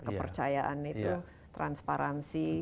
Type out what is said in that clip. kepercayaan itu transparansi